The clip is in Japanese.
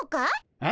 えっ？